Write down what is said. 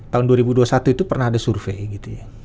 tahun dua ribu dua puluh satu itu pernah ada survei gitu ya